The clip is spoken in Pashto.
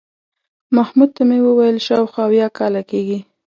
محمود ته مې وویل شاوخوا اویا کاله کېږي.